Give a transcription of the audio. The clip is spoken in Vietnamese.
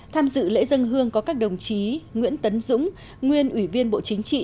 tham dự lễ dân hương có các đồng chí nguyễn tấn dũng nguyên ủy viên bộ chính trị